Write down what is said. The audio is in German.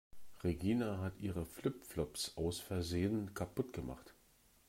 Regina hat ihre Flip-Flops aus Versehen kaputt gemacht.